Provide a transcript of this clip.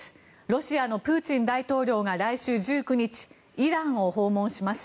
ロシアのプーチン大統領が来週１９日イランを訪問します。